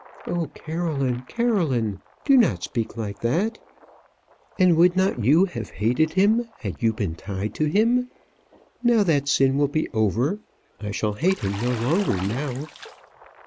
"Oh, Caroline, Caroline! do not speak like that." "And would not you have hated him had you been tied to him? Now that sin will be over. I shall hate him no longer now."